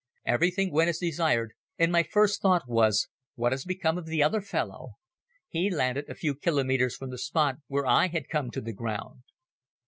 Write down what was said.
Everything went as desired and my first thought was, "What has become of the other fellow." He landed a few kilometers from the spot where I had come to the ground.